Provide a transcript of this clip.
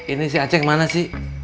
ini si aceh mana sih